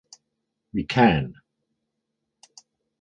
We Can!